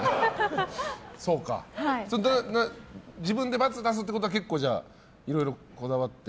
自分で×出すってことはいろいろこだわって？